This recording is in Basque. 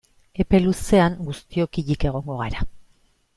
Epe luzean guztiok hilik egongo gara.